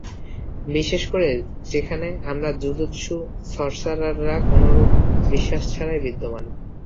বিশেষ করে যেখানে আমরা জুজুৎসু সর্সারাররা কোনোরুপ বিশ্বাস ছাড়াই বিদ্যমান।